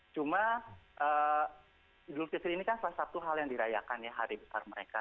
cuma idul fitri ini kan salah satu hal yang dirayakan ya hari besar mereka